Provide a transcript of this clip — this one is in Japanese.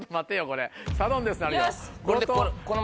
これサドンデスなるよ。